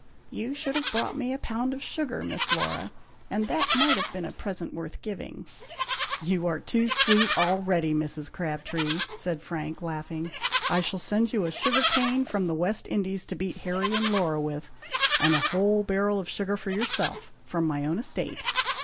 "You should have bought me a pound of sugar, Miss Laura, and that might have been a present worth giving." "You are too sweet already, Mrs. Crabtree!" said Frank, laughing. "I shall send you a sugar cane from the West Indies, to beat Harry and Laura with, and a whole barrel of sugar for yourself, from my own estate."